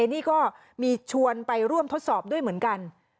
นี่ก็มีชวนไปร่วมทดสอบด้วยเหมือนกัน